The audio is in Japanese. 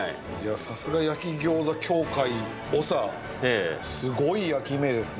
さすが焼き餃子協会長すごい焼き目ですね